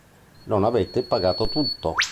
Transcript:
Non avete pagato tutto!